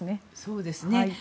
そうですね。